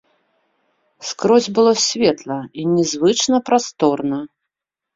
Скрозь было светла і нязвычна прасторна.